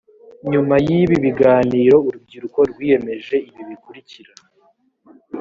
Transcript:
nyuma y ibi biganiro urubyiruko rwiyemeje ibi bikurikira